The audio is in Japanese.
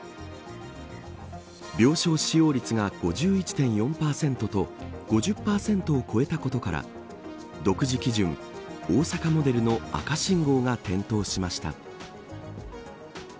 病床使用率が５１．４％と５０％を超えたことから独自基準、大阪モデルの赤信号が点灯しました。